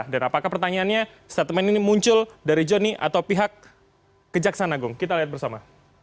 dan apakah pertanyaannya statement ini muncul dari johnny atau pihak kejaksana agung kita lihat bersama